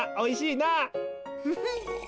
フフッ。